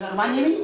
gak kemanin ini